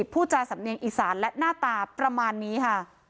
ผู้จาสำเนียงอีสานและหน้าตาประมาณนี้ค่ะ